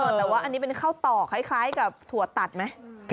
แต่ว่าอันนี้เป็นข้าวต่อคล้ายกับถั่วตัดไหม